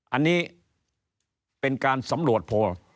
อันนี้เป็นการสำรวจโพล